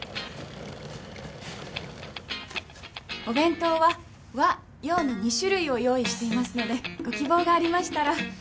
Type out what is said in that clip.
お弁当は和洋の２種類を用意していますのでご希望がありましたら。